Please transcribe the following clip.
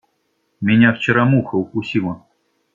Меня вчера муха укусила.